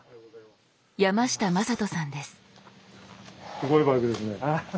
すごいバイクですね。